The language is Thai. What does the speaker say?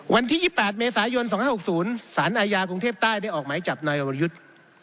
วันที่๒๘เมษายน๒๖๐สารอาญากรุงเทพใต้ได้ออกหมายจับนายวรยุทธ์